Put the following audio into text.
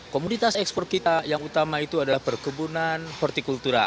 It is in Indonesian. komoditas ekspor kita yang utama itu adalah perkebunan hortikultura